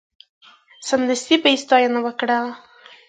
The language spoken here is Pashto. سمدستي به یې ستاینه وکړه.